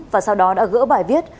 và sau đó đã gỡ bài viết